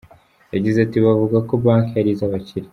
Yagize ati “Bavuga ko banki ari iz’abakire.